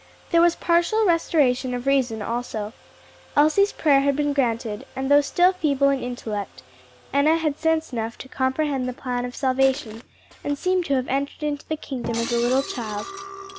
There was partial restoration of reason also. Elsie's prayer had been granted, and though still feeble in intellect, Enna had sense enough to comprehend the plan of salvation, and seemed to have entered into the kingdom as a little child.